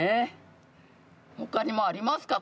他にもありますか？